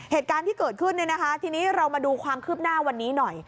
เหตุการณ์ที่เกิดขึ้นเนี่ยนะคะทีนี้เรามาดูความคืบหน้าวันนี้หน่อย